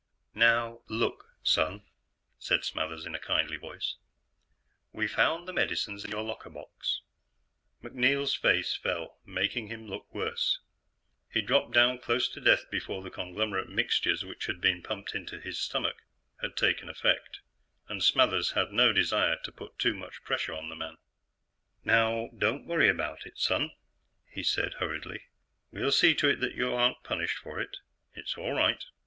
"Now, look, son," said Smathers in a kindly voice, "we found the medicines in your locker box." MacNeil's face fell, making him look worse. He'd dropped down close to death before the conglomerate mixture which had been pumped into his stomach had taken effect, and Smathers had no desire to put too much pressure on the man. "Now, don't worry about it, son," he said hurriedly; "We'll see to it that you aren't punished for it. It's all right.